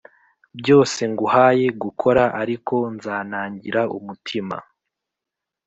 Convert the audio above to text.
Byose nguhaye gukora ariko nzanangira umutima